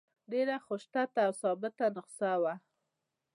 ډېره خوشخطه او ثابته نسخه وه.